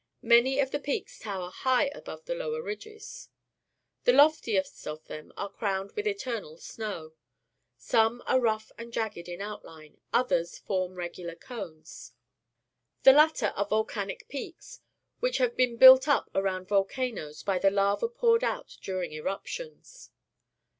Many of the peaks tower high above the lower ridges. The loftiest of them are crowned with eternal snow. Some are rough and jagged in outline; others form 146 SOUTH AlVIERICA 147 regular cones. The latter are volcanic peaks, which have been built up around volcanoes by the lava poured out during eruptions.